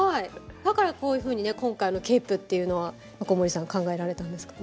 だからこういうふうにね今回ケープっていうのは横森さん考えられたんですかね？